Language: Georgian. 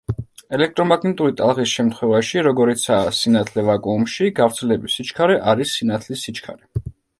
ელექტრომაგნიტური ტალღის შემთხვევაში, როგორიცაა სინათლე ვაკუუმში, გავრცელების სიჩქარე არის სინათლის სიჩქარე.